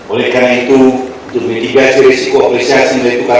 oleh karena itu untuk menitibasi resiko ofisiasi dari perutasi